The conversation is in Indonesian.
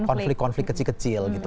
konflik konflik kecil kecil gitu